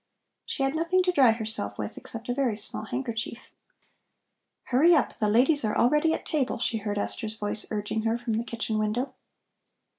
She had nothing to dry herself with except a very small handkerchief. "Hurry up! The ladies are already at table," she heard Esther's voice urging her from the kitchen window.